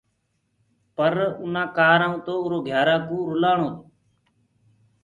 پر اُنآ ڪآرآ ڪوُ تو روگو اُرو گھيارا ڪوُ رلآڻو تو۔